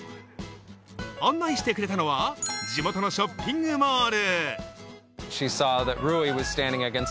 案内してくれたのは地元のショッピングモール。